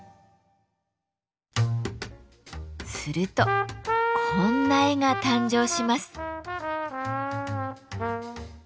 するとこんな絵が誕生します。